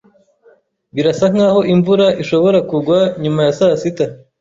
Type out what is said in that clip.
Birasa nkaho imvura ishobora kugwa nyuma ya saa sita.